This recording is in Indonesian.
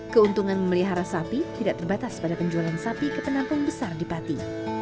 keuntungan memelihara sapi tidak terbatas pada penjualan sapi ke penampung besar di pati